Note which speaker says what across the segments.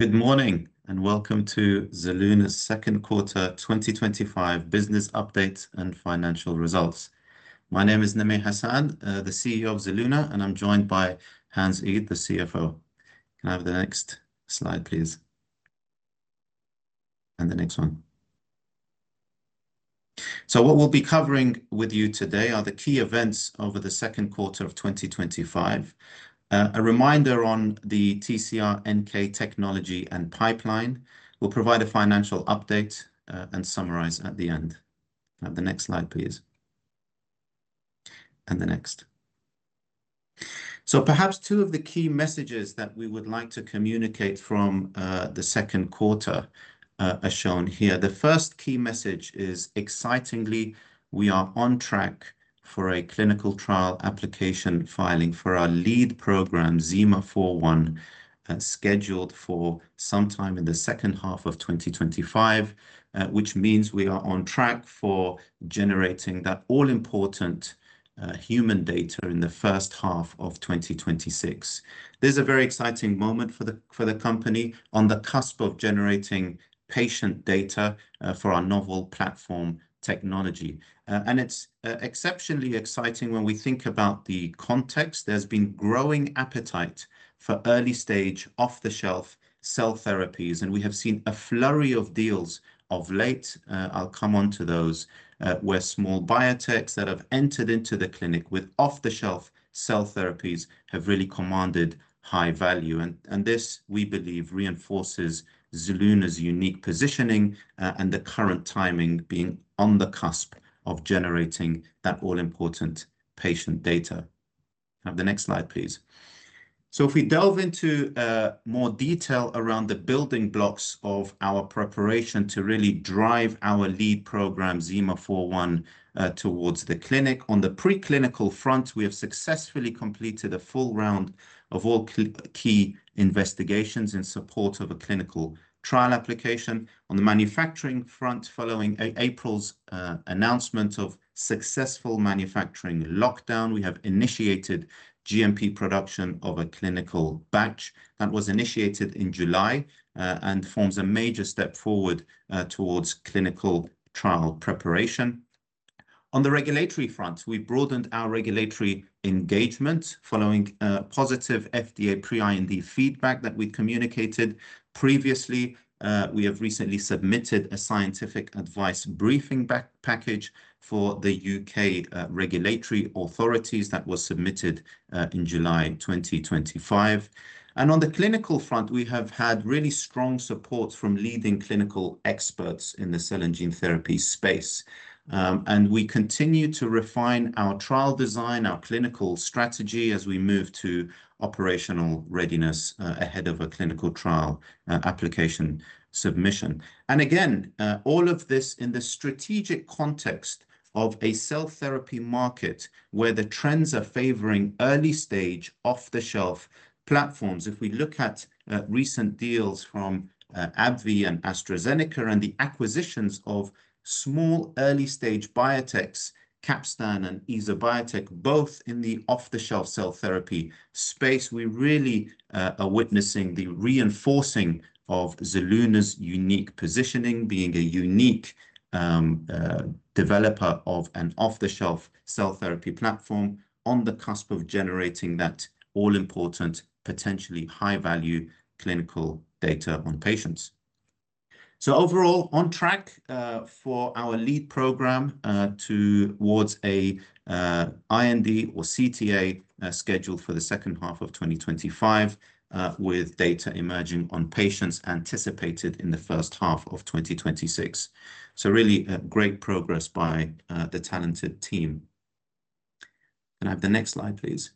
Speaker 1: Good morning and welcome to Zelluna's Second Quarter 2025 Business Updates and Financial Results. My name is Namir Hassan, the CEO of Zelluna, and I'm joined by Hans Eid, the CFO. Can I have the next slide, please? The next one. What we'll be covering with you today are the key events over the second quarter of 2025, a reminder on the TCR-NK technology and pipeline, a financial update, and summarize at the end. The next slide, please. The next. Perhaps two of the key messages that we would like to communicate from the second quarter are shown here. The first key message is, excitingly, we are on track for a clinical trial application filing for our lead program, ZI-MA4-1, scheduled for sometime in the second half of 2025, which means we are on track for generating that all-important human data in the first half of 2026. This is a very exciting moment for the company on the cusp of generating patient data for our novel platform technology. It's exceptionally exciting when we think about the context. There has been growing appetite for early-stage, off-the-shelf cell therapies, and we have seen a flurry of deals of late. I'll come on to those, where small biotechs that have entered into the clinic with off-the-shelf cell therapies have really commanded high value. This, we believe, reinforces Zelluna's unique positioning and the current timing being on the cusp of generating that all-important patient data. Have the next slide, please. If we delve into more detail around the building blocks of our preparation to really drive our lead program, ZI-MA4-1, towards the clinic, on the preclinical front, we have successfully completed a full round of all key investigations in support of a clinical trial application. On the manufacturing front, following April's announcement of successful manufacturing lockdown, we have initiated GMP production of a clinical batch that was initiated in July and forms a major step forward towards clinical trial preparation. On the regulatory front, we've broadened our regulatory engagement following positive FDA pre-IND feedback that we've communicated previously. We have recently submitted a scientific advice briefing package for the UK regulatory authorities that was submitted in July 2025. On the clinical front, we have had really strong support from leading clinical experts in the cell and gene therapy space. We continue to refine our trial design and our clinical strategy as we move to operational readiness ahead of a clinical trial application submission. All of this is in the strategic context of a cell therapy market where the trends are favoring early-stage, off-the-shelf platforms. If we look at recent deals from AbbVie and AstraZeneca and the acquisitions of small early-stage biotechs, Capstan and EsoBiotec, both in the off-the-shelf cell therapy space, we really are witnessing the reinforcing of Zelluna's unique positioning, being a unique developer of an off-the-shelf cell therapy platform on the cusp of generating that all-important, potentially high-value clinical data on patients. Overall, on track for our lead program towards an IND or CTA scheduled for the second half of 2025, with data emerging on patients anticipated in the first half of 2026. Really great progress by the talented team. Can I have the next slide, please?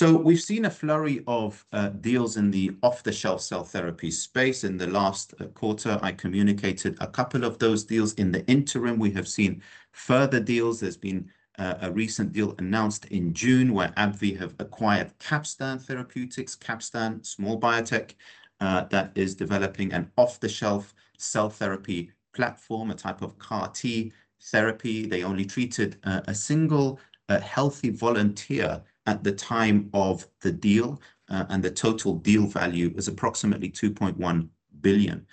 Speaker 1: We have seen a flurry of deals in the off-the-shelf cell therapy space in the last quarter. I communicated a couple of those deals. In the interim, we have seen further deals. There has been a recent deal announced in June where AbbVie have acquired Capstan Therapeutics, Capstan, a small biotech that is developing an off-the-shelf cell therapy platform, a type of CAR T therapy. They only treated a single healthy volunteer at the time of the deal, and the total deal value is approximately $2.1 billion.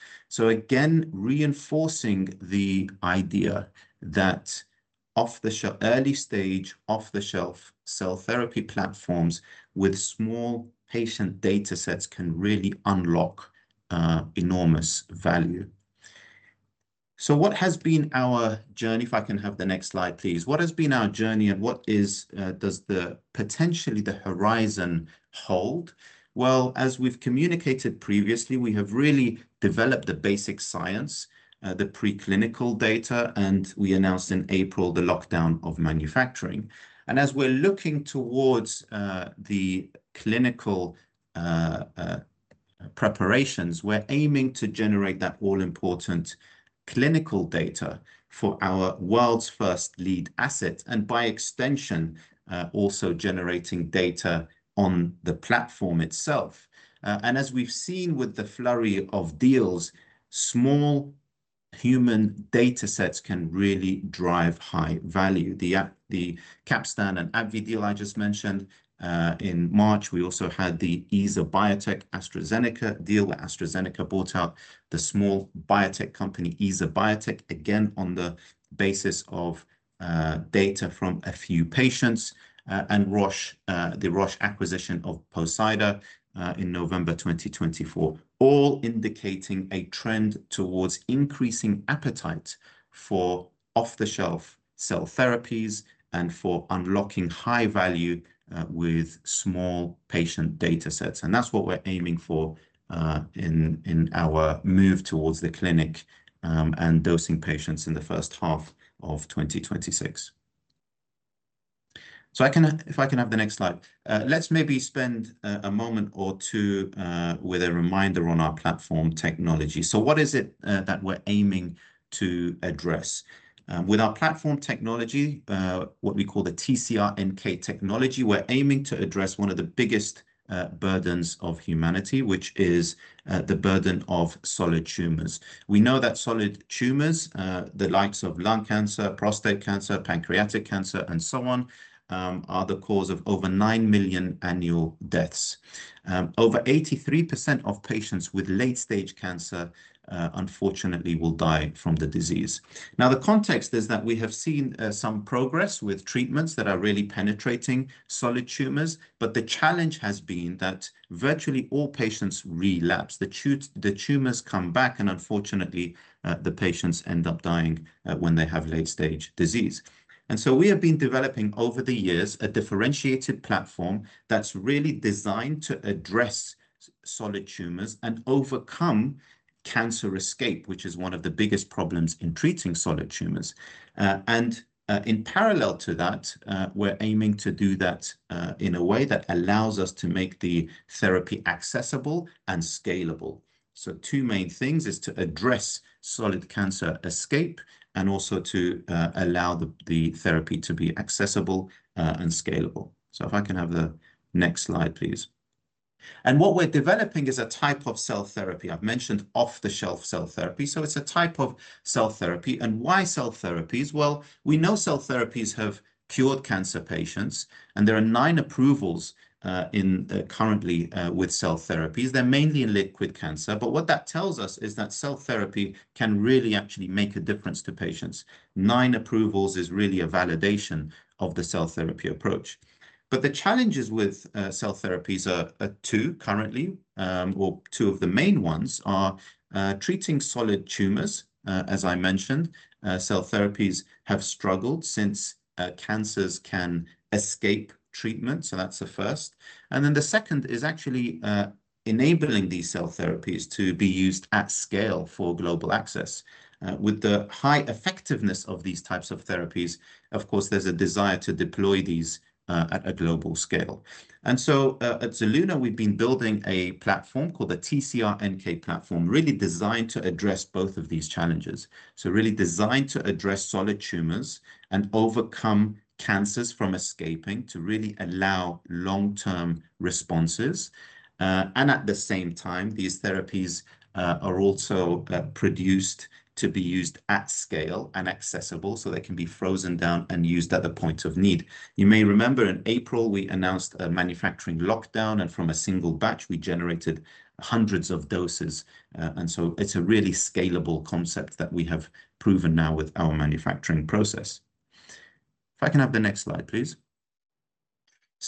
Speaker 1: Reinforcing the idea that early-stage, off-the-shelf cell therapy platforms with small patient data sets can really unlock enormous value. What has been our journey? If I can have the next slide, please. What has been our journey and what does potentially the horizon hold? As we've communicated previously, we have really developed the basic science, the preclinical data, and we announced in April the lockdown of manufacturing. As we're looking towards the clinical preparations, we're aiming to generate that all-important clinical data for our world's first lead asset and, by extension, also generating data on the platform itself. As we've seen with the flurry of deals, small human data sets can really drive high value. The Capstan and AbbVie deal I just mentioned in March, we also had the EsoBiotec AstraZeneca deal where AstraZeneca bought out the small biotech company, EsoBiotec, again on the basis of data from a few patients, and the Roche acquisition of Poseida in November 2024, all indicating a trend towards increasing appetite for off-the-shelf cell therapies and for unlocking high value with small patient data sets. That's what we're aiming for in our move towards the clinic and dosing patients in the first half of 2026. If I can have the next slide, let's maybe spend a moment or two with a reminder on our platform technology. What is it that we're aiming to address? With our platform technology, what we call the TCR-NK technology, we're aiming to address one of the biggest burdens of humanity, which is the burden of solid tumors. We know that solid tumors, the likes of lung cancer, prostate cancer, pancreatic cancer, and so on, are the cause of over 9 million annual deaths. Over 83% of patients with late-stage cancer, unfortunately, will die from the disease. The context is that we have seen some progress with treatments that are really penetrating solid tumors, but the challenge has been that virtually all patients relapse, the tumors come back, and unfortunately, the patients end up dying when they have late-stage disease. We have been developing over the years a differentiated platform that's really designed to address solid tumors and overcome cancer escape, which is one of the biggest problems in treating solid tumors. In parallel to that, we're aiming to do that in a way that allows us to make the therapy accessible and scalable. Two main things are to address solid cancer escape and also to allow the therapy to be accessible and scalable. If I can have the next slide, please. What we're developing is a type of cell therapy. I've mentioned off-the-shelf cell therapy. It's a type of cell therapy. Why cell therapies? We know cell therapies have cured cancer patients, and there are nine approvals currently with cell therapies. They're mainly in liquid cancer, but what that tells us is that cell therapy can really actually make a difference to patients. Nine approvals is really a validation of the cell therapy approach. The challenges with cell therapies are two, currently, or two of the main ones are treating solid tumors. As I mentioned, cell therapies have struggled since cancers can escape treatment. That's the first. The second is actually enabling these cell therapies to be used at scale for global access. With the high effectiveness of these types of therapies, of course, there's a desire to deploy these at a global scale. At Zelluna, we've been building a platform called the TCR-NK platform, really designed to address both of these challenges. It's really designed to address solid tumors and overcome cancers from escaping to really allow long-term responses. At the same time, these therapies are also produced to be used at scale and accessible so they can be frozen down and used at the point of need. You may remember in April, we announced a manufacturing lockdown, and from a single batch, we generated hundreds of doses. It's a really scalable concept that we have proven now with our manufacturing process. If I can have the next slide, please.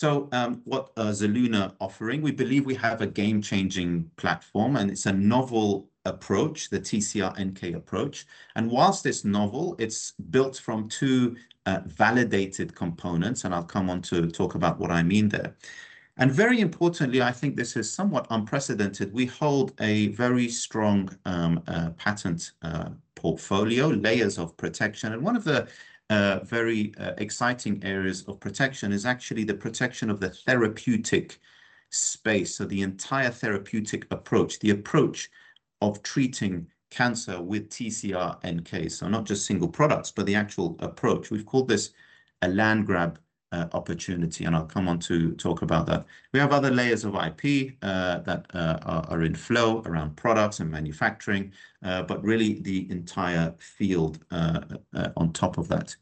Speaker 1: What is Zelluna offering? We believe we have a game-changing platform, and it's a novel approach, the TCR-NK approach. Whilst it's novel, it's built from two validated components, and I'll come on to talk about what I mean there. Very importantly, I think this is somewhat unprecedented. We hold a very strong patent portfolio, layers of protection. One of the very exciting areas of protection is actually the protection of the therapeutic space, so the entire therapeutic approach, the approach of treating cancer with TCR-NK. Not just single products, but the actual approach. We've called this a landgrab opportunity, and I'll come on to talk about that. We have other layers of IP that are in flow around products and manufacturing, but really the entire field on top of that.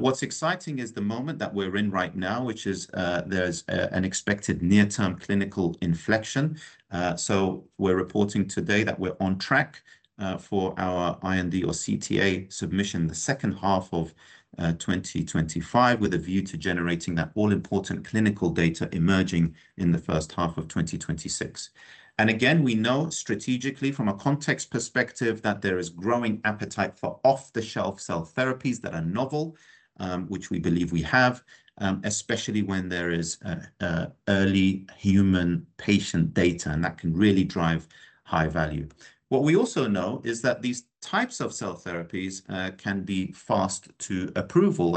Speaker 1: What's exciting is the moment that we're in right now, which is there's an expected near-term clinical inflection. We're reporting today that we're on track for our IND or CTA submission in the second half of 2025, with a view to generating that all-important clinical data emerging in the first half of 2026. We know strategically from a context perspective that there is growing appetite for off-the-shelf cell therapies that are novel, which we believe we have, especially when there is early human patient data, and that can really drive high value. We also know that these types of cell therapies can be fast to approval.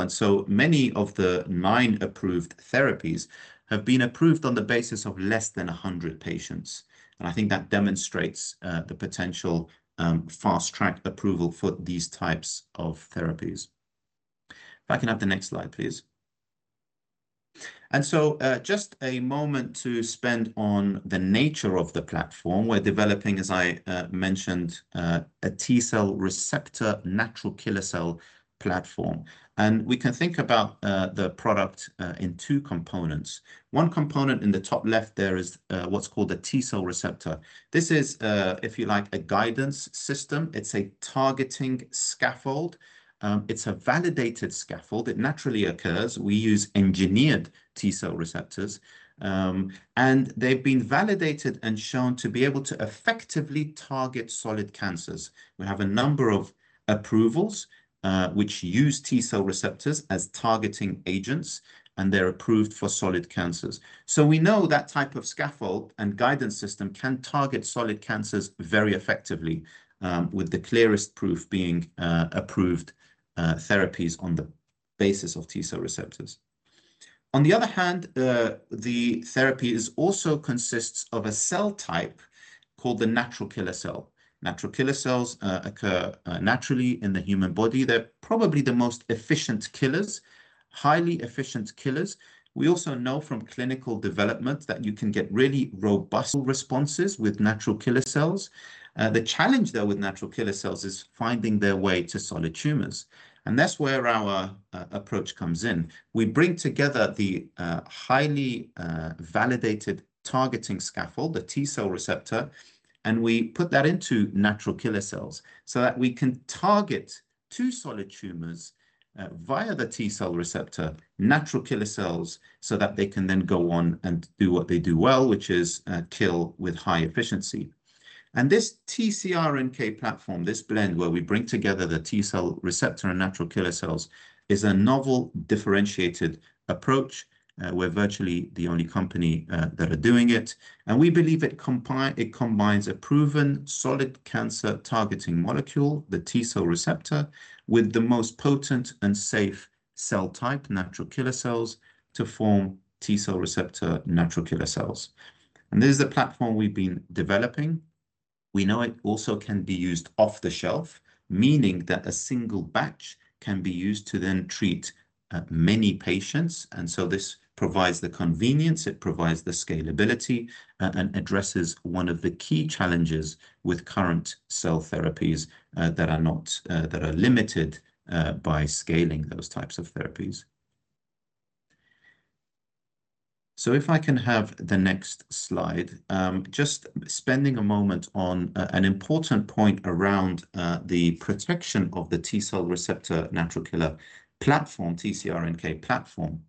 Speaker 1: Many of the nine approved therapies have been approved on the basis of less than 100 patients. I think that demonstrates the potential fast-track approval for these types of therapies. If I can have the next slide, please. Just a moment to spend on the nature of the platform. We're developing, as I mentioned, a T-cell receptor natural killer cell platform. We can think about the product in two components. One component in the top left is what's called the T-cell receptor. This is, if you like, a guidance system. It's a targeting scaffold. It's a validated scaffold. It naturally occurs. We use engineered T-cell receptors, and they've been validated and shown to be able to effectively target solid cancers. We have a number of approvals which use T-cell receptors as targeting agents, and they're approved for solid cancers. We know that type of scaffold and guidance system can target solid cancers very effectively, with the clearest proof being approved therapies on the basis of T-cell receptors. The therapy also consists of a cell type called the natural killer cell. Natural killer cells occur naturally in the human body. They're probably the most efficient killers, highly efficient killers. We also know from clinical development that you can get really robust responses with natural killer cells. The challenge with natural killer cells is finding their way to solid tumors. That's where our approach comes in. We bring together the highly validated targeting scaffold, the T-cell receptor, and we put that into natural killer cells so that we can target solid tumors via the T-cell receptor, natural killer cells, so that they can then go on and do what they do well, which is kill with high efficiency. This TCR-NK platform, this blend where we bring together the T-cell receptor and natural killer cells, is a novel, differentiated approach. We're virtually the only company that is doing it. We believe it combines a proven solid cancer targeting molecule, the T-cell receptor, with the most potent and safe cell type, natural killer cells, to form T-cell receptor natural killer cells. This is the platform we've been developing. We know it also can be used off the shelf, meaning that a single batch can be used to then treat many patients. This provides the convenience, it provides the scalability, and addresses one of the key challenges with current cell therapies that are not limited by scaling those types of therapies. If I can have the next slide, just spending a moment on an important point around the protection of the T-cell receptor natural killer platform, TCR-NK platform.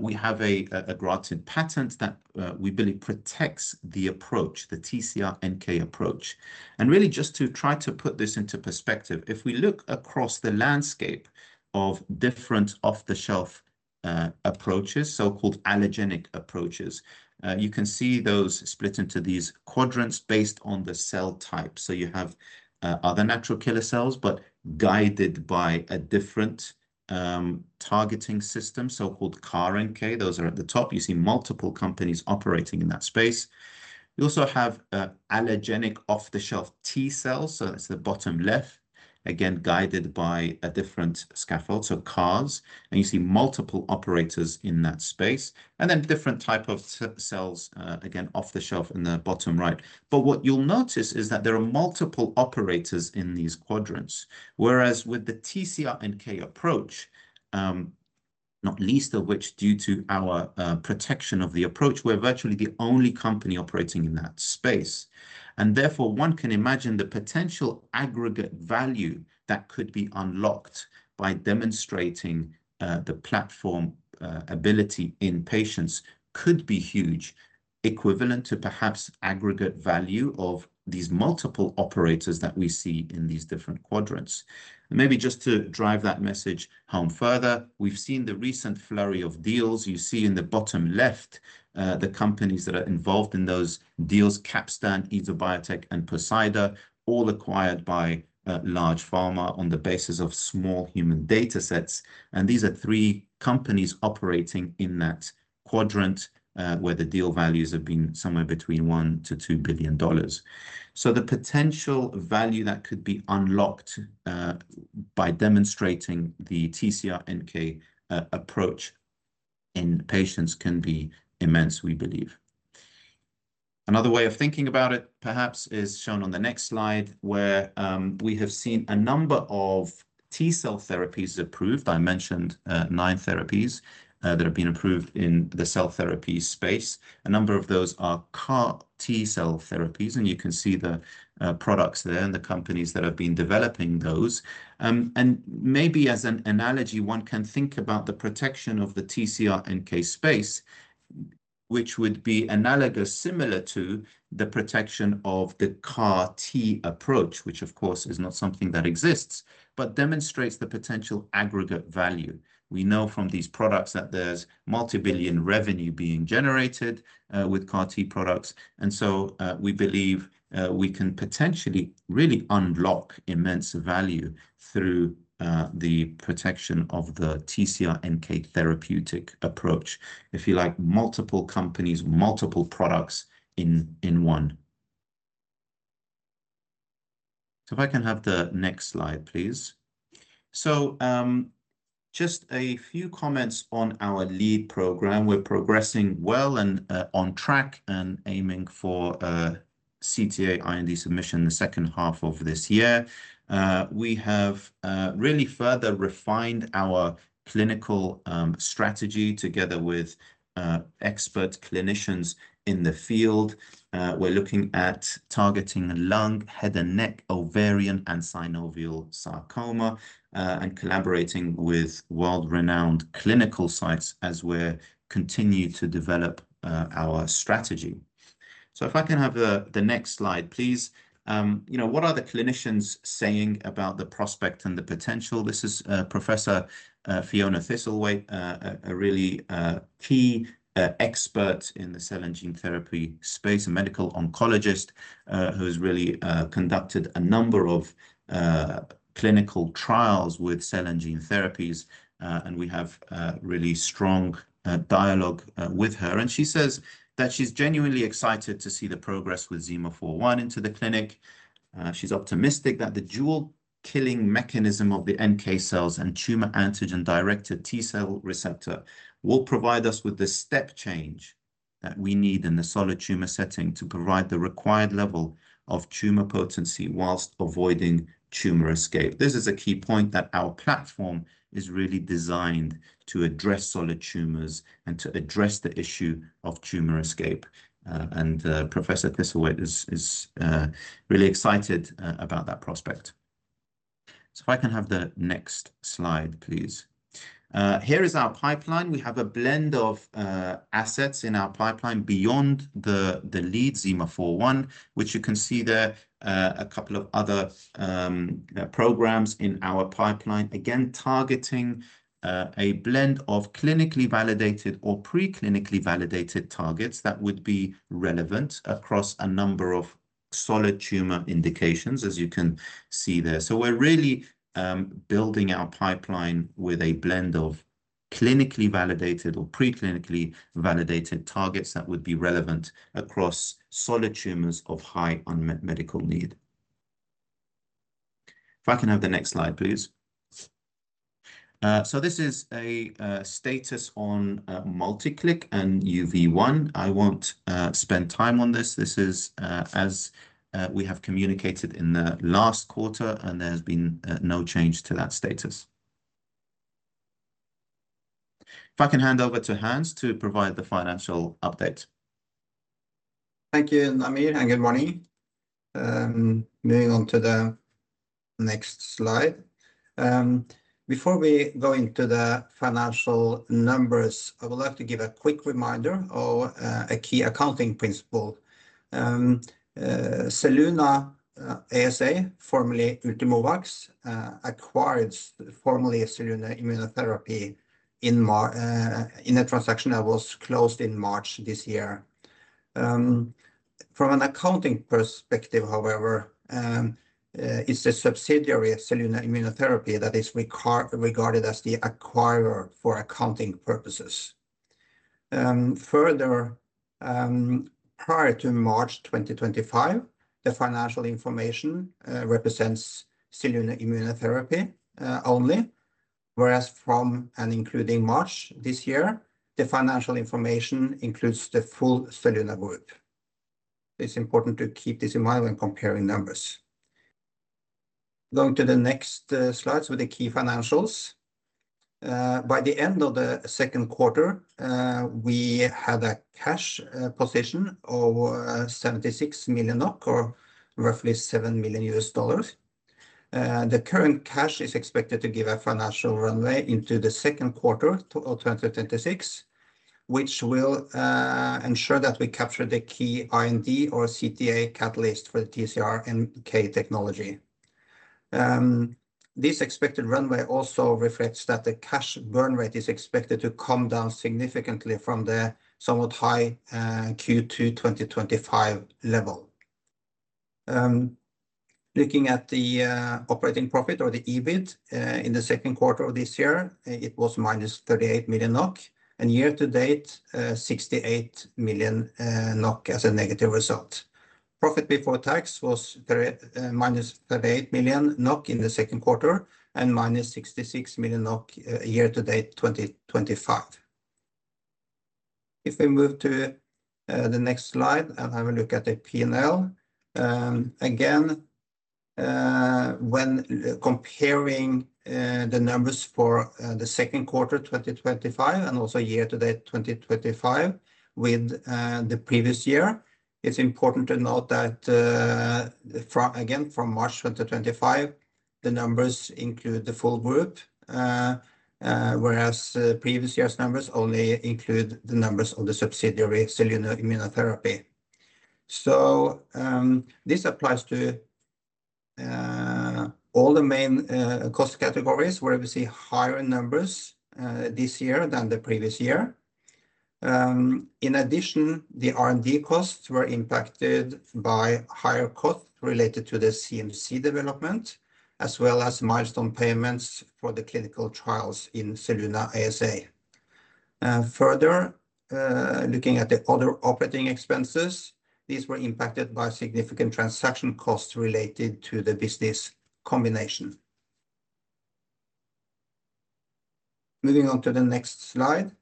Speaker 1: We have a patent that we believe protects the approach, the TCR-NK approach. Really just to try to put this into perspective, if we look across the landscape of different off-the-shelf approaches, so-called allogeneic approaches, you can see those split into these quadrants based on the cell type. You have other natural killer cells, but guided by a different targeting system, so-called CAR NK. Those are at the top. You see multiple companies operating in that space. We also have allogeneic off-the-shelf T-cells. That's the bottom left, again guided by a different scaffold, so CARs. You see multiple operators in that space. Then different types of cells, again off the shelf in the bottom right. What you'll notice is that there are multiple operators in these quadrants, whereas with the TCR-NK approach, not least of which due to our protection of the approach, we're virtually the only company operating in that space. Therefore, one can imagine the potential aggregate value that could be unlocked by demonstrating the platform ability in patients could be huge, equivalent to perhaps aggregate value of these multiple operators that we see in these different quadrants. Maybe just to drive that message home further, we've seen the recent flurry of deals. You see in the bottom left the companies that are involved in those deals: Capstan, EsoBiotec, and Poseida, all acquired by large pharma on the basis of small human data sets. These are three companies operating in that quadrant where the deal values have been somewhere between $1 billion-$2 billion. The potential value that could be unlocked by demonstrating the TCR-NK approach in patients can be immense, we believe. Another way of thinking about it, perhaps, is shown on the next slide, where we have seen a number of T-cell therapies approved. I mentioned nine therapies that have been approved in the cell therapy space. A number of those are CAR T-cell therapies, and you can see the products there and the companies that have been developing those. Maybe as an analogy, one can think about the protection of the TCR-NK space, which would be analogous, similar to the protection of the CAR T approach, which of course is not something that exists, but demonstrates the potential aggregate value. We know from these products that there's multi-billion revenue being generated with CAR T products. We believe we can potentially really unlock immense value through the protection of the TCR-NK therapeutic approach. If you like, multiple companies, multiple products in one. If I can have the next slide, please. Just a few comments on our lead program. We're progressing well and on track and aiming for CTA/IND submission in the second half of this year. We have really further refined our clinical strategy together with expert clinicians in the field. We're looking at targeting lung, head and neck, ovarian, and synovial sarcoma, and collaborating with world-renowned clinical sites as we continue to develop our strategy. If I can have the next slide, please. What are the clinicians saying about the prospect and the potential? This is Professor Fiona Thistlethwaite, a really key expert in the cell and gene therapy space, a Medical Oncologist who has really conducted a number of clinical trials with cell and gene therapies, and we have a really strong dialogue with her. She says that she's genuinely excited to see the progress with ZI-MA4-1 into the clinic. She's optimistic that the dual killing mechanism of the NK cells and tumor antigen-directed T-cell receptor will provide us with the step change that we need in the solid tumor setting to provide the required level of tumor potency whilst avoiding tumor escape. This is a key point that our platform is really designed to address solid tumors and to address the issue of tumor escape. Professor Thistlethwaite is really excited about that prospect. If I can have the next slide, please. Here is our pipeline. We have a blend of assets in our pipeline beyond the lead ZI-MA4-1, which you can see there, a couple of other programs in our pipeline, again targeting a blend of clinically validated or preclinically validated targets that would be relevant across a number of solid tumor indications, as you can see there. We're really building our pipeline with a blend of clinically validated or preclinically validated targets that would be relevant across solid tumors of high unmet medical need. If I can have the next slide, please. This is a status on MultiClick and UV1. I won't spend time on this. This is as we have communicated in the last quarter, and there's been no change to that status. If I can hand over to Hans to provide the financial update.
Speaker 2: Thank you, Namir, and good morning. Moving on to the next slide. Before we go into the financial numbers, I would like to give a quick reminder of a key accounting principle. Zelluna ASA, formerly Ultimovacs, acquired formerly Zelluna Immunotherapy in a transaction that was closed in March this year. From an accounting perspective, however, it's a subsidiary of Zelluna Immunotherapy that is regarded as the acquirer for accounting purposes. Further, prior to March 2025, the financial information represents Zelluna Immunotherapy only, whereas from and including March this year, the financial information includes the full Zelluna Group. It's important to keep this in mind when comparing numbers. Going to the next slides with the key financials. By the end of the second quarter, we had a cash position of 76 million NOK, or roughly $7 million. The current cash is expected to give a financial runway into the second quarter of 2026, which will ensure that we capture the key IND or CTA catalyst for the TCR-NK technology. This expected runway also reflects that the cash burn rate is expected to come down significantly from the somewhat high Q2 2025 level. Looking at the operating profit or the EBIT in the second quarter of this year, it was -38 million NOK, and year-to-date, 68 million NOK as a negative result. Profit before tax was -38 million NOK in the second quarter and -66 million NOK year-to-date 2025. If we move to the next slide and have a look at the P&L, again, when comparing the numbers for the second quarter 2025 and also year-to-date 2025 with the previous year, it's important to note that again from March 2025, the numbers include the full group, whereas the previous year's numbers only include the numbers of the subsidiary Zelluna Immunotherapy. This applies to all the main cost categories where we see higher numbers this year than the previous year. In addition, the R&D costs were impacted by higher costs related to the CMC development, as well as milestone payments for the clinical trials in Zelluna ASA. Further, looking at the other operating expenses, these were impacted by significant transaction costs related to the business combination. Moving on to the next slide.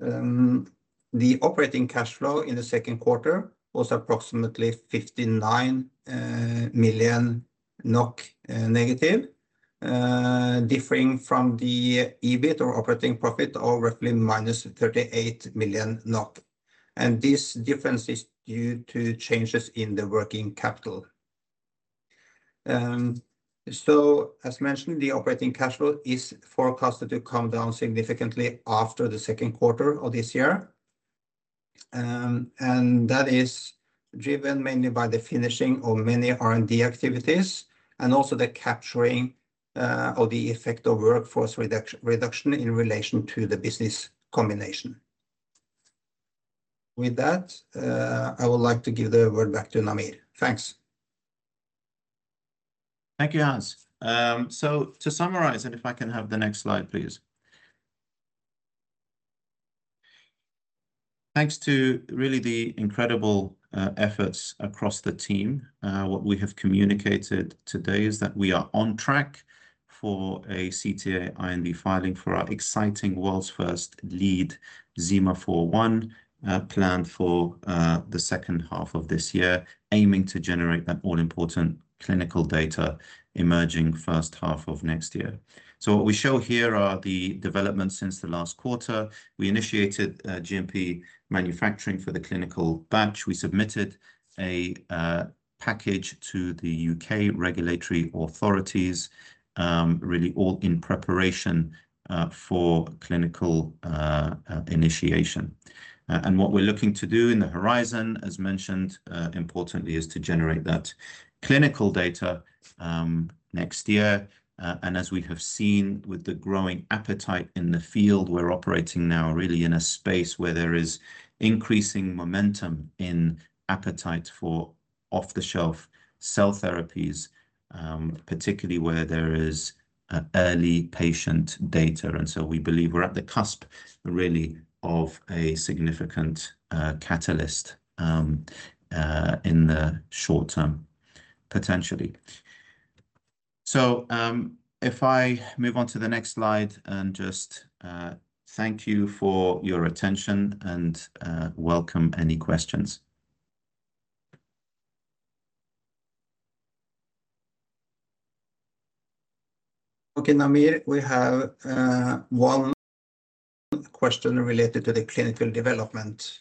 Speaker 2: The operating cash flow in the second quarter was approximately 59 million NOK negative, differing from the EBIT or operating profit of roughly -38 million NOK. This difference is due to changes in the working capital. As mentioned, the operating cash flow is forecasted to come down significantly after the second quarter of this year. That is driven mainly by the finishing of many R&D activities and also the capturing of the effect of workforce reduction in relation to the business combination. With that, I would like to give the word back to Namir. Thanks.
Speaker 1: Thank you, Hans. To summarize, and if I can have the next slide, please. Thanks to really the incredible efforts across the team, what we have communicated today is that we are on track for a CTA/IND filing for our exciting world's first lead ZI-MA4-1 planned for the second half of this year, aiming to generate that all-important clinical data emerging first half of next year. What we show here are the developments since the last quarter. We initiated GMP manufacturing for the clinical batch. We submitted a package to the UK regulatory authorities, really all in preparation for clinical initiation. What we're looking to do in the horizon, as mentioned, importantly, is to generate that clinical data next year. As we have seen with the growing appetite in the field, we're operating now really in a space where there is increasing momentum in appetite for off-the-shelf cell therapies, particularly where there is early patient data. We believe we're at the cusp, really, of a significant catalyst in the short term, potentially. If I move on to the next slide, thank you for your attention and welcome any questions.
Speaker 2: Okay, Namir, we have one question related to the clinical development.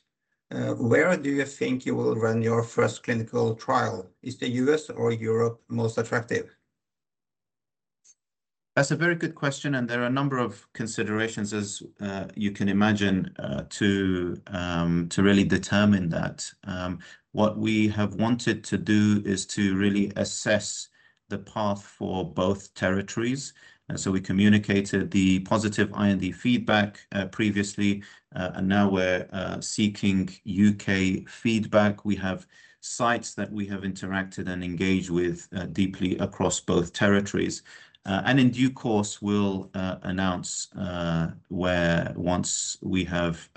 Speaker 2: Where do you think you will run your first clinical trial? Is the U.S. or Europe most attractive?
Speaker 1: That's a very good question, and there are a number of considerations, as you can imagine, to really determine that. What we have wanted to do is to really assess the path for both territories. We communicated the positive IND feedback previously, and now we're seeking U.K. feedback. We have sites that we have interacted and engaged with deeply across both territories. In due course, once we have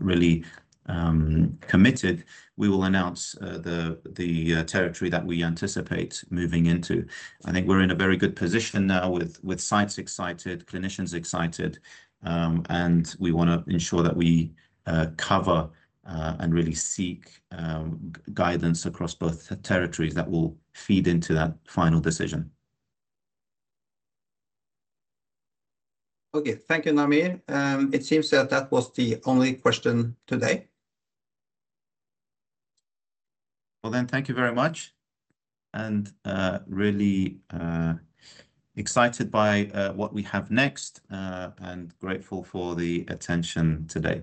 Speaker 1: really committed, we will announce the territory that we anticipate moving into. I think we're in a very good position now with sites excited, clinicians excited, and we want to ensure that we cover and really seek guidance across both territories that will feed into that final decision.
Speaker 2: Okay, thank you, Namir. It seems that was the only question today.
Speaker 1: Thank you very much. I'm really excited by what we have next and grateful for the attention today.